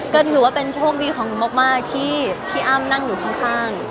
ก็ถือว่าเป็นโชคดีของหนูมากที่พี่อ้ำนั่งอยู่ข้าง